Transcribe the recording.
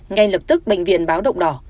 ngay lập tức bệnh viện báo động đỏ